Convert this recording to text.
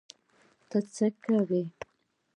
ته څه کوی؟